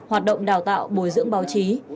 hoạt động đào tạo bồi dưỡng báo chí